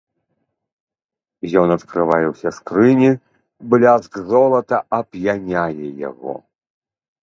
Ён адкрывае усе скрыні, бляск золата ап'яняе яго.